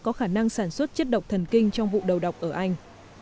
có khả năng sản xuất chất độc thần kinh trong vụ đầu độc ở anh